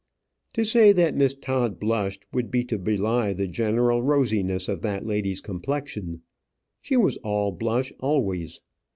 To say that Miss Todd blushed would be to belie the general rosiness of that lady's complexion. She was all blush always.